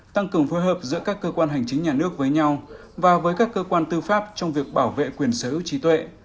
tăng cường phối hợp giữa các cơ quan hành chính nhà nước với nhau và với các cơ quan tư pháp trong việc bảo vệ quyền sở hữu trí tuệ